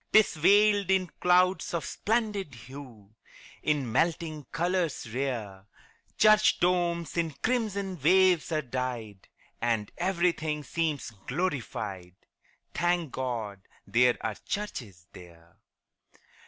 'Tis veiled in clouds of splendid hue, In melting colors rare: Church domes in crimson waves are dyed, And everything seems glorified Thank God there are churches there!